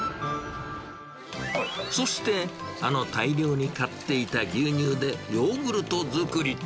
そして、あの大量に買っていた牛乳でヨーグルト作り。